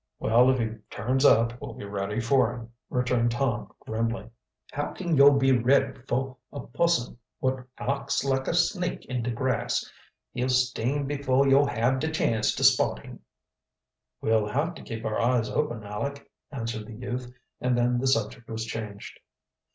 "Well, if he turns up we'll be ready for him," returned Tom grimly. "How can yo' be ready fo' a pusson wot acts like a snake in de grass? He'll sting befo' yo' hab de chance to spot him." "We'll have to keep our eyes open, Aleck," answered the youth; and then the subject was changed.